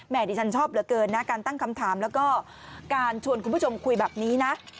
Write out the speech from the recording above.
ดิฉันชอบเหลือเกินนะการตั้งคำถามแล้วก็การชวนคุณผู้ชมคุยแบบนี้นะ